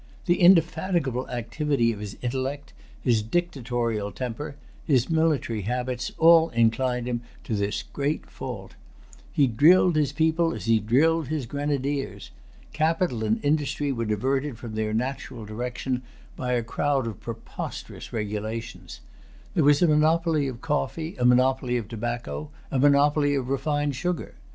The indefatigable activity of his intellect, his dictatorial temper, his military habits, all inclined him to this great[Pg 277] fault. He drilled his people as he drilled his grenadiers. Capital and industry were diverted from their natural direction by a crowd of preposterous regulations. There was a monopoly of coffee, a monopoly of tobacco, a monopoly of refined sugar.